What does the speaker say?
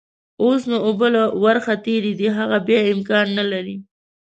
اوس نو اوبه له ورخ تېرې دي، هغه بيا امکان نلري.